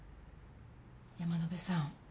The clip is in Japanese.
山野辺さん